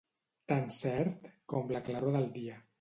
Tan cert com la claror del dia.